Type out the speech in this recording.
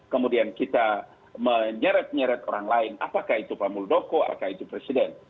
kemudian kita menyeret nyeret orang lain apakah itu pak muldoko apakah itu presiden